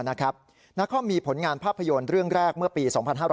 นครมีผลงานภาพยนตร์เรื่องแรกเมื่อปี๒๕๕๙